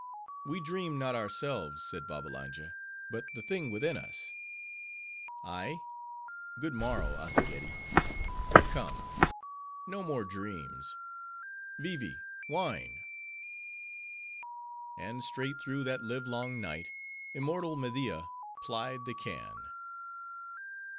"We dream not ourselves," said Babbalanja, "but the thing within us." "Ay?—good morrow Azzageddi!—But come; no more dreams: Vee Vee! wine." And straight through that livelong night, immortal Media plied the can.